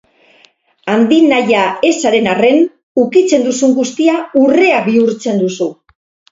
Handinahia ez zaren arren, ukitzen duzun guztia urrea bihurtzen duzu.